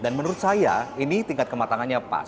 dan menurut saya ini tingkat kematangannya pas